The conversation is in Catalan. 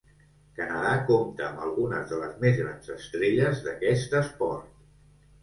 Canadà compta amb algunes de les més grans estrelles d'aquest esport.